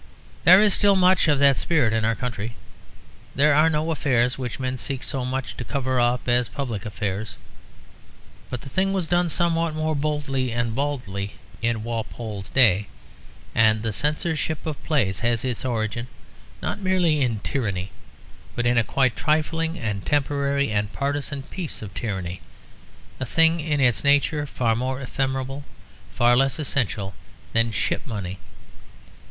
There is still much of that spirit in our country; there are no affairs which men seek so much to cover up as public affairs. But the thing was done somewhat more boldly and baldly in Walpole's day; and the Censorship of plays has its origin, not merely in tyranny, but in a quite trifling and temporary and partisan piece of tyranny; a thing in its nature far more ephemeral, far less essential, than Ship Money.